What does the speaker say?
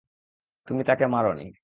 তুমি তাকে মারোনি।